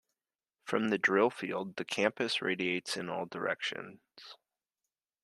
From the Drill Field, the campus radiates in all directions.